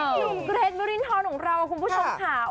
หนุ่มเกรทวิรินทรของเราคุณผู้ชมค่ะ